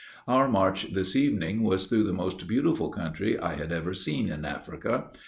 Our march this evening was through the most beautiful country I had ever seen in Africa.